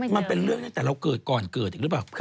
มันเป็นเรื่องตั้งแต่เราเกิดก่อนเกิดอีกหรือเปล่า